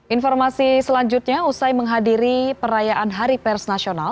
informasi selanjutnya usai menghadiri perayaan hari pers nasional